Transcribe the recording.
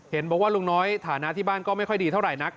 บอกว่าลุงน้อยฐานะที่บ้านก็ไม่ค่อยดีเท่าไหร่นัก